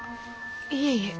いえいえ